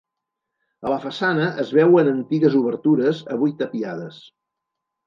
A la façana es veuen antigues obertures avui tapiades.